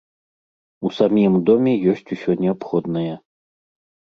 У самім доме ёсць усё неабходнае.